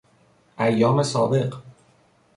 ایام سابق